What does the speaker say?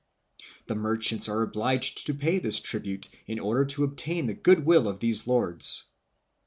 The merchants are obliged to pay this tribute hi order to obtain the good will of these lords."